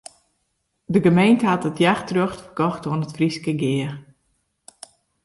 De gemeente hat it jachtrjocht ferkocht oan it Fryske Gea.